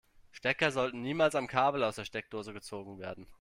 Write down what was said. Stecker sollten niemals am Kabel aus der Steckdose gezogen werden.